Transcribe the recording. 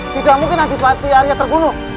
tidak mungkin adipati arya terbunuh